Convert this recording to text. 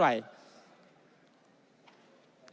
กระเปราะมีภายไป